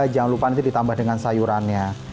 jangan lupa nanti ditambah dengan sayurannya